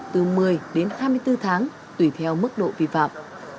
từ một mươi đến hai mươi bốn tháng tùy theo mức độ vi phạm